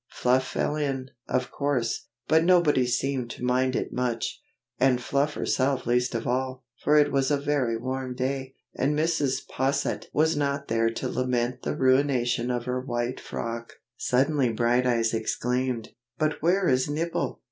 Fluff fell in, of course, but nobody seemed to mind it much, and Fluff herself least of all, for it was a very warm day, and Mrs. Posset was not there to lament the "ruination" of her white frock. Suddenly Brighteyes exclaimed: "But where is Nibble?"